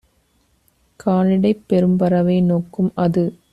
கானிடைப் பெரும்பறவை நோக்கும் - அது